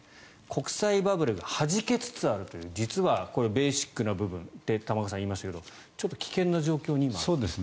国債バブルがはじけつつあるという実はこれ、ベーシックな部分と玉川さんが言いましたがちょっと危険な状況に今。